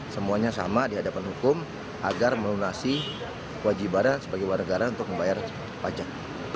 semuanya sama dihadapan hukum agar melunasi wajibara sebagai warga negara untuk membayar pajak